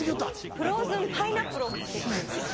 フローズンパイナップルを買って来たんですよ。